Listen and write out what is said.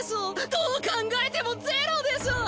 どう考えてもゼロでしょ！